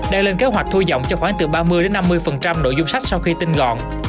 đang lên kế hoạch thu dọng cho khoảng từ ba mươi năm mươi nội dung sách sau khi tin gọn